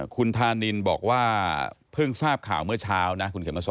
คุณฐานินบอกว่าเพิ่งทราบข่าวเมื่อเช้านะ